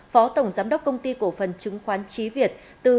phó tổng giám đốc công ty cổ phần chứng khoán trí việt